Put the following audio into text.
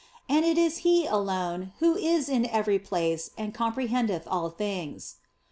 And it is He alone who is in every place and comprehendeth all things.